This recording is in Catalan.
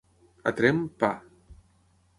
A Tremp, pa.